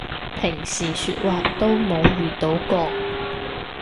平時說話都冇遇到過